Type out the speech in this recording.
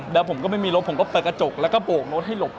แล้วผมก็ไม่มีรถผมก็เปิดกระจกแล้วก็โบกรถให้หลบ